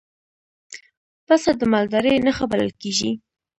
پسه د مالدارۍ نښه بلل کېږي.